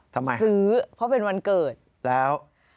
ทำไมซื้อเพราะเป็นวันเกิดแล้ว